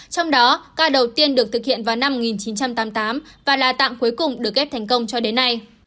trong đó ca đầu tiên được thực hiện vào năm một nghìn chín trăm tám mươi tám và là tạng cuối cùng được ghép thành công cho đến nay